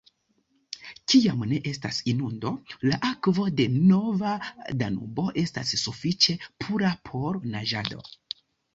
Kiam ne estas inundo, la akvo de Nova Danubo estas sufiĉe pura por naĝado.